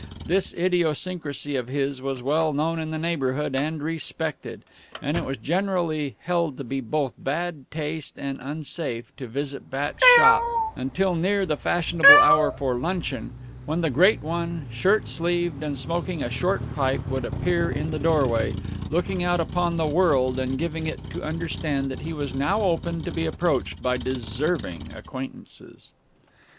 This idiosyncrasy of his was well known in the neighborhood and respected, and it was generally bold to be both bad taste and unsafe to visit Bat's shop until near the fashionable hour for luncheon, when the great one, shirt sleeved and smoking a short pipe, would appear in the doorway, looking out upon the world and giving it to understand that he was now open to be approached by deserving acquaintances.